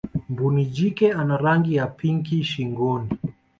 mbuni jike ana rangi ya pinki shingonis